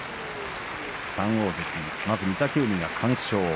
３大関、まず御嶽海が完勝。